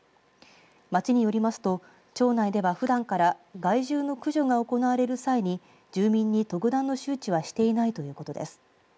町によりますと町内ではふだんから害獣の駆除が行われる際に住民に特段の周知はしていないということです。